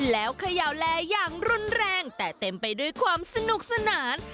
แล้วเขย่าแลอย่างรุนแรงแต่เต็มไปด้วยความสนุกสนาน